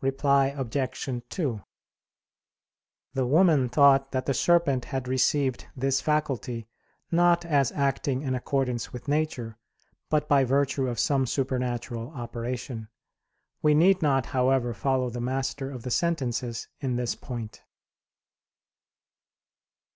Reply Obj. 2: The woman thought that the serpent had received this faculty, not as acting in accordance with nature, but by virtue of some supernatural operation. We need not, however, follow the Master of the Sentences in this point.